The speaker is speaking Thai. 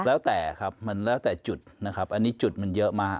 แล้วแต่ครับมันแล้วแต่จุดนะครับอันนี้จุดมันเยอะมาก